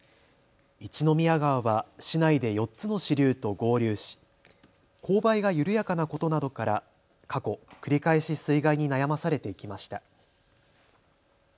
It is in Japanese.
一宮川は市内で４つの支流と合流し勾配が緩やかなことなどから過去、繰り返し水害に悩まされてきました。